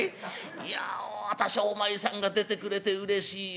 いや私お前さんが出てくれてうれしいよ。